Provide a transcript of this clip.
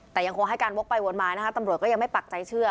แต่ยังคงให้การวกไปวนมานะคะตำรวจก็ยังไม่ปักใจเชื่อ